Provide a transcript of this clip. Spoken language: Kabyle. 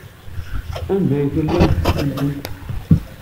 Anda ay tellam tettettem-tent?